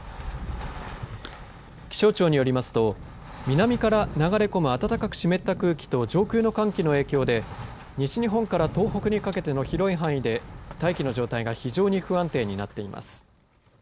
気象庁によりますと南から流れ込む暖かく湿った空気と上空の寒気の影響で西日本から東北にかけての広い範囲で大気の状態が非常に不安定になっています。